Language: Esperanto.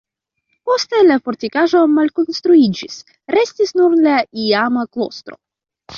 Poste la fortikaĵo malkonstruiĝis, restis nur la iama klostro.